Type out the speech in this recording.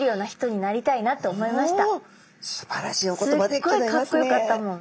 すっごいかっこよかったもん。